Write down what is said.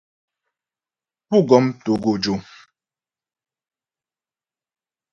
Pú gɔm togojò.